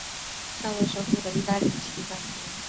尚未收复的意大利其版图。